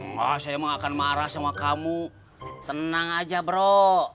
wah saya emang akan marah sama kamu tenang aja bro